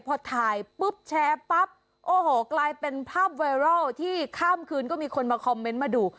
พอถ่ายปุ๊บแชร์ปั๊บโอ้โหกลายเป็นภาพไวรัลที่ข้ามคืนก็มีคนมาคอมเมนต์มาดู